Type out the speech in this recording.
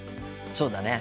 そうだね。